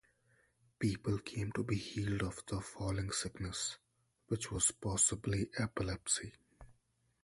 People came to be healed of the "falling sickness", which was possibly epilepsy.